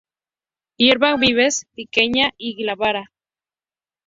Hierba vivaz, pequeña y glabra.